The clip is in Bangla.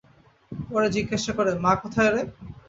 পরে জিজ্ঞাসা করে-মা কোথায় রে?